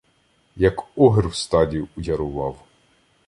Я к огир в стаді, ярував.